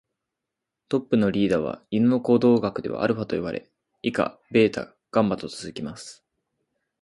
トップのリーダーは犬の行動学ではアルファと呼ばれ、以下ベータ、ガンマと続きます。